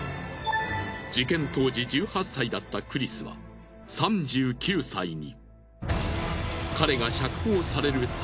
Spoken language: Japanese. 事件当時１８歳だったクリスは３９歳に。